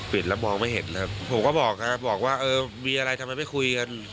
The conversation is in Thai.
แล้วมองไม่เห็นเลยครับผมก็บอกครับบอกว่าเออมีอะไรทำไมไม่คุยกัน